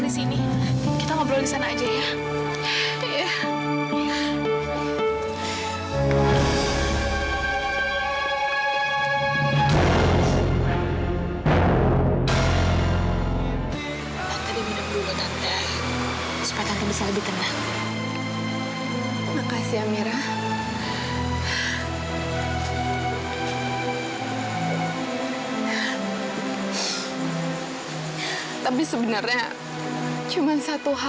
sampai jumpa di video selanjutnya